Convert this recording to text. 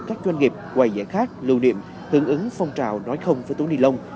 các doanh nghiệp quầy dãy khác lưu niệm hướng ứng phong trào nói không với túi ni lông